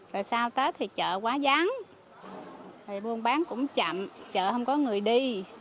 rồi sau tết thì chợ quá vắng bán cũng chậm chợ không có người đi